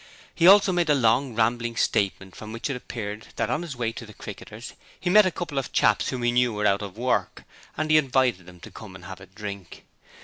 He also made a long, rambling statement from which it appeared that on his way to the 'Cricketers' he met a couple of chaps whom he knew who were out of work, and he invited them to come and have a drink.